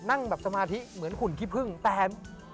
นั่งแบบสมาธิเหมือนหุ่นขี้พึ่งแต่